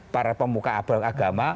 para pemuka abel agama